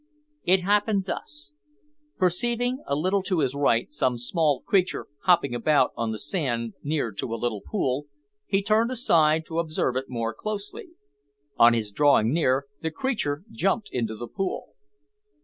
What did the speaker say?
It happened thus: Perceiving, a little to his right, some small creature hopping about on the sand near to a little pool, he turned aside to observe it more closely. On his drawing near, the creature jumped into the pool.